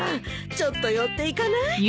ちょっと寄っていかない？